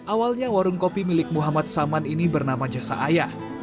awalnya warung kopi milik muhammad saman ini bernama jasa ayah